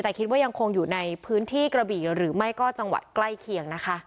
แต่คิดว่ายังคงอยู่ในพื้นที่กระบี่หรือไม่ก็จังหวัดใกล้เคียงนะคะ